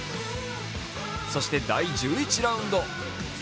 そして、第１１ラウンド。